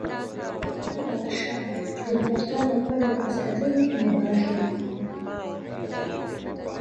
Jangwa la Shara linapatikana upande wa kaskazini mwa bara hili